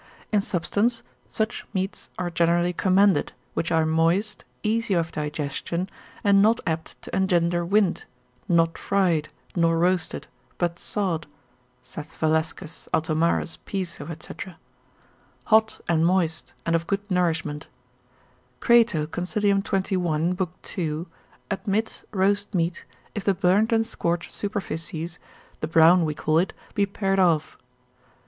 In substance, such meats are generally commended, which are moist, easy of digestion, and not apt to engender wind, not fried, nor roasted, but sod (saith Valescus, Altomarus, Piso, &c.) hot and moist, and of good nourishment; Crato, consil. 21. lib. 2. admits roast meat, if the burned and scorched superficies, the brown we call it, be pared off.